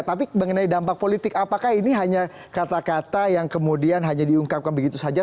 tapi mengenai dampak politik apakah ini hanya kata kata yang kemudian hanya diungkapkan begitu saja